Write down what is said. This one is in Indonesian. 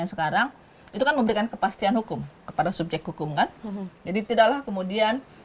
sekarang itu kan memberikan kepastian hukum kepada subjek hukum kan jadi tidaklah kemudian